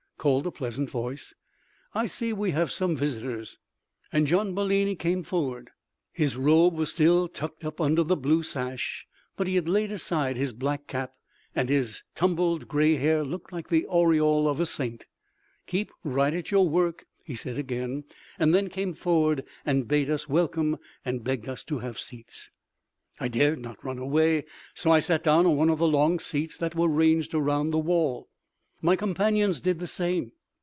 called a pleasant voice. "I see we have some visitors." And Gian Bellini came forward. His robe was still tucked up under the blue sash, but he had laid aside his black cap, and his tumbled gray hair looked like the aureole of a saint. "Keep right at your work," he said again, and then came forward and bade us welcome and begged us to have seats. I dared not run away, so I sat down on one of the long seats that were ranged around the wall. My companions did the same.